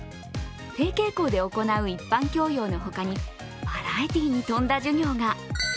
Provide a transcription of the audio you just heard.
提携校で行う一般教養のほかにバラエティに富んだ授業が。